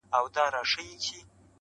پر خپل قول درېدل خوی د مېړه دی،